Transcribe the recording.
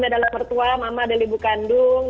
mami adalah mertua mama adalah ibu kandung